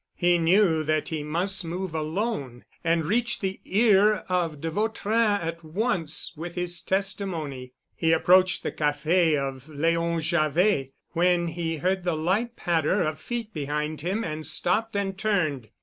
He knew that he must move alone and reach the ear of de Vautrin at once with his testimony. He approached the café of Leon Javet when he heard the light patter of feet behind him and stopped and turned.